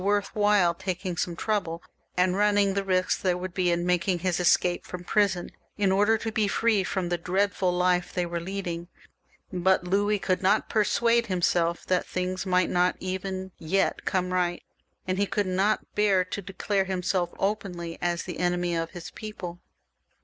393 worth while taking some trouble, and running the risk there would be in making his escape from prison, in order to be free from the dreadful life they were leading ; but Louis could not persuade himself that things might not even yet come right, and he could not bear to declare him self openly as the enemy of his people.